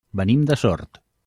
Venim de Sort.